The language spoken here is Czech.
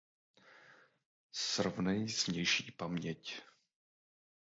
Srovnej s vnější paměť.